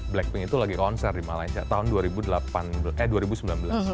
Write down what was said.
blackpink itu lagi konser di malaysia tahun dua ribu delapan belas eh dua ribu sembilan belas